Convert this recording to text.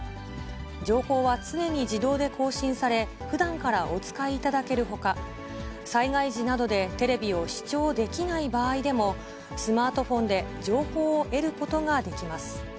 情報は常に自動で更新され、ふだんからお使いいただけるほか、災害時などで、テレビを視聴できない場合でも、スマートフォンで情報を得ることができます。